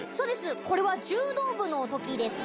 これは柔道部のときですね。